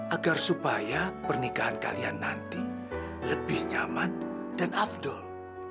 agar supaya pernikahan kalian nanti lebih nyaman dan afdol